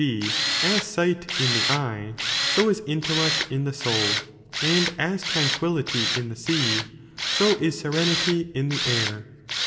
g. as sight in the eye, so is intellect in the soul, and as tranquillity in the sea, so is serenity in the air.